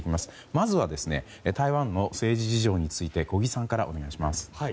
まずは台湾の政治事情について小木さんからお願いします。